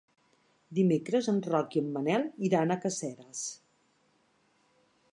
Dimecres en Roc i en Manel iran a Caseres.